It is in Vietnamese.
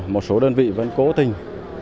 một số đơn vị vẫn cố tình